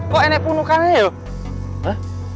kok enek punuh kanan ya yuk